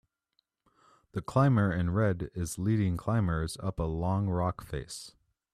The climber in red is leading climbers up a long rock face.